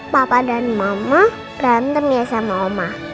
papa dan mama berantem ya sama oma